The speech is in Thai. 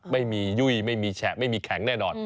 ไม่มียุ่ยไม่มีแฉะไม่มีแข็งแน่นอน